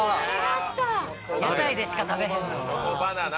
屋台でしか食べへんもんな。